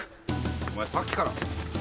お前さっきから。